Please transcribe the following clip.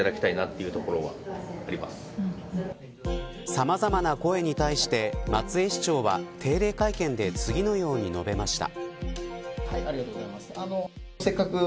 さまざまな声に対して松江市長は定例会見で次のように述べました。